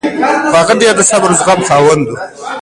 خو هغه د ډېر صبر او زغم خاوند و